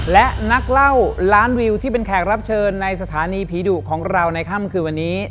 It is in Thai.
และนักเล่าล้านวิวที่เป็นแขกรับเชิญในสถานีผีดุของเราในค่ำคืนวันนี้